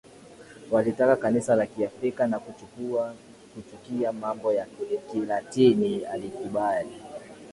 walitaka Kanisa la Kiafrika na kuchukia mambo ya Kilatini alikubali